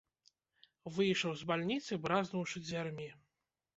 Выйшаў з бальніцы, бразнуўшы дзвярмі.